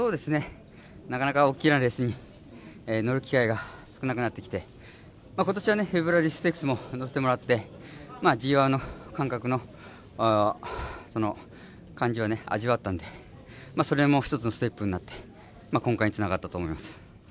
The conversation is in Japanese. なかなか大きなレースに乗る機会が少なくなってきて今年はフェブラリーステークスも乗せてもらってＧＩの感覚を味わったんでそれも一つのステップになって今回につながったと思います。